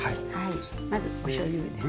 まずおしょうゆですね。